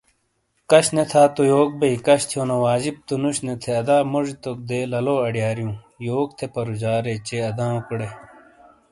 کش نے تھا یوک بئیی ۔کش تھیونو واجب تو نوش نے تھے ادا موجی توک دے لالو آڈیاریوں۔ یوک تھے پرُوجارے چے اناؤکیڈے۔